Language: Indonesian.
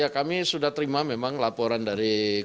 kami sudah terima laporan dari kementerian agama